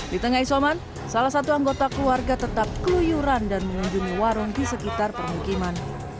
di tengah isoman salah satu anggota keluarga tetap keluyuran dan mengunjungi warung di sekitar permukiman